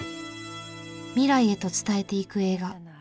未来へと伝えていく映画。